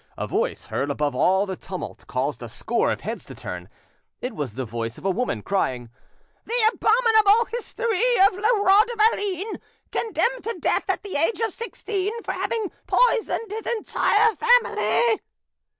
A voice heard above all the tumult caused a score of heads to turn, it was the voice of a woman crying: "The abominable history of Leroi de Valine, condemned to death at the age of sixteen for having poisoned his entire family!"